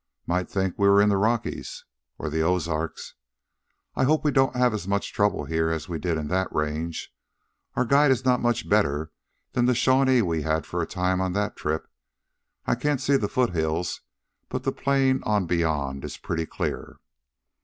"Might think we were in the Rockies." "Or the Ozarks." "I hope we don't have as much trouble here as we did in that range. Our guide is not much better than the Shawnee we had for a time on that trip. I can't see the foothills, but the plain on beyond is pretty clear."